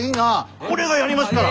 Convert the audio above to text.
俺がやりますから！